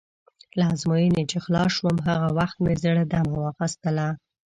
له ازموینې چې خلاص شوم، هغه وخت مې زړه دمه واخیستله.